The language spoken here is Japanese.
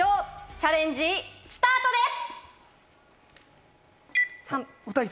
チャレンジスタートです！